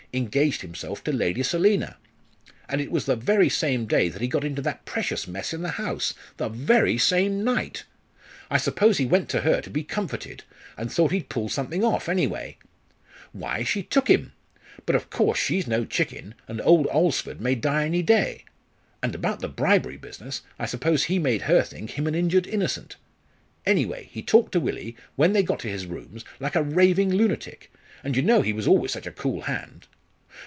engaged himself to Lady Selina. And it was the very same day that he got into that precious mess in the House the very same night! I suppose he went to her to be comforted, and thought he'd pull something off, anyway! Why she took him! But of course she's no chicken, and old Alresford may die any day. And about the bribery business I suppose he made her think him an injured innocent. Anyway, he talked to Willie, when they got to his rooms, like a raving lunatic, and you know he was always such a cool hand.